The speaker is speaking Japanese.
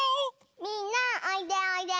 みんなおいでおいで！